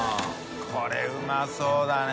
海うまそうだね。